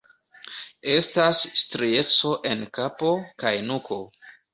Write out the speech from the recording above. Estas strieco en kapo kaj nuko.